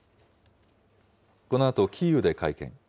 このあとキーウで会見。